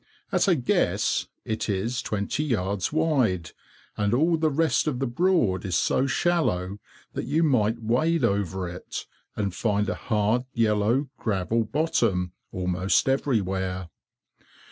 At a guess, it is twenty yards wide, and all the rest of the Broad is so shallow that you might wade over it, and find a hard, yellow, gravel bottom almost everywhere.